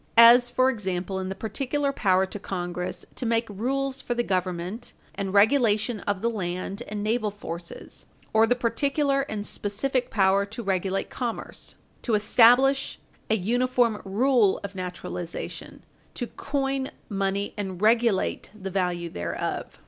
As, for example, in the particular power to Congress "to make rules for the government and regulation of the land and naval forces, or the particular and specific power to regulate commerce;" "to establish an uniform rule of naturalization;" "to coin money and regulate the value thereof."